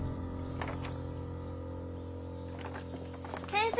・先生！